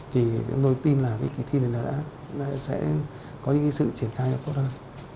thì tôi tin là kỳ thi này sẽ có những sự triển khai tốt hơn